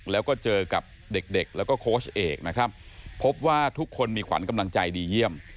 แล้วก็เจอกับเด็กเด็กแล้วก็โค้ชเอกนะครับพบว่าทุกคนมีขวัญกำลังใจดีเยี่ยม